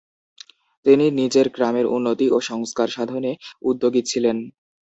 তিনি নিজের গ্রামের উন্নতি ও সংস্কারসাধনে উদ্যোগী ছিলেন।